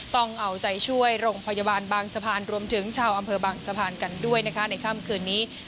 ต้องเอาใจช่วยโรงพยาบาลบางสะพานรวมถึงชาวอำเภอบางสะพานกันด้วยนะคะในค่ำคืนนี้